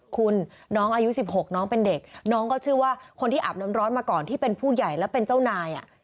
คุณน้องอายุ๑๖น้องเป็นเด็กน้องก็ชื่อว่าคนที่อาบน้ำร้อนมาก่อนที่เป็นผู้ใหญ่และเป็นเจ้านาย